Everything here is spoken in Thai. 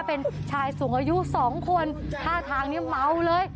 เป็นชายสูงอายุสองคนท่าทางนี้เมาเลย